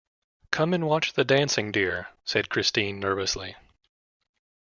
'Come and watch the dancing, dear,' said Christine nervously.